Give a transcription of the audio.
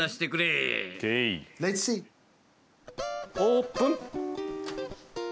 オープン！